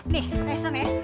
nih tesson ya